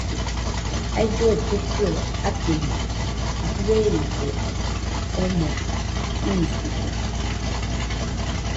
Aillue kɨkɨaɨ atɨñede, dɨerise omo iitɨkue.